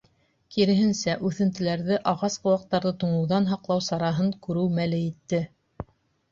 Киреһенсә, үҫентеләрҙе, ағас-ҡыуаҡтарҙы туңыуҙан һаҡлау сараһын күреү мәле етте.